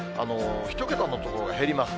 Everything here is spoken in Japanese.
１桁の所が減ります。